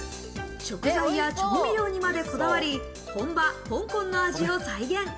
食材や調味料にまでこだわり、本場、香港の味を再現。